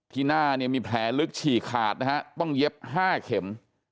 หน้าเนี่ยมีแผลลึกฉี่ขาดนะฮะต้องเย็บ๕เข็ม